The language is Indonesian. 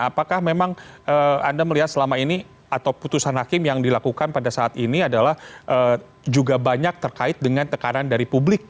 apakah memang anda melihat selama ini atau putusan hakim yang dilakukan pada saat ini adalah juga banyak terkait dengan tekanan dari publik